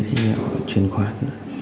thì họ chuyển khoản cho em